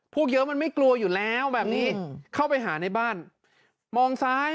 พวกเยอะมันไม่กลัวอยู่แล้วแบบนี้เข้าไปหาในบ้านมองซ้าย